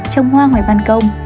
trông hoa ngoài bàn công